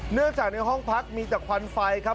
เนื่องจากในห้องพักมีแต่ควันไฟครับ